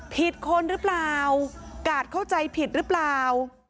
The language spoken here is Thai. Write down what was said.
คนหรือเปล่ากาดเข้าใจผิดหรือเปล่า